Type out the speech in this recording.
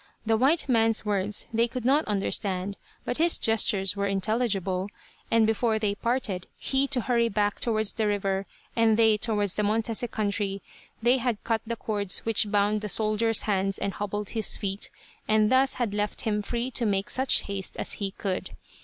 The white man's words they could not understand, but his gestures were intelligible, and before they parted, he to hurry back towards the river and they towards the Montese country, they had cut the cords which bound the soldier's hands and hobbled his feet, and thus had left him free to make such haste as he could.